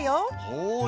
はい。